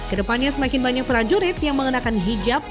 kedepannya semakin banyak prajurit yang mengenakan hijab